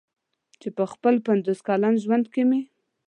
چې په خپل پنځوس کلن ژوند کې مې.